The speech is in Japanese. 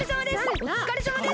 おつかれさまです！